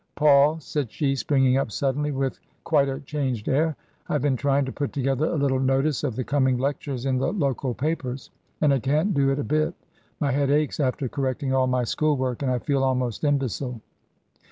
" Paul !" said she, springing up suddenly with quite a changed air, " I have been trying to put together a little notice of the coming lectures in the local papers, and I can't do it a bit My head aches after correcting all my school work and I feel almost imbecile."